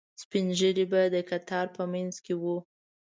سپینږیري به د کتار په منځ کې وو.